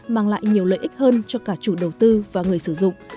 mang lại nhiều lợi ích hơn cho cả chủ đầu tư và người sử dụng